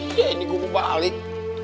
iya ini gue mau balik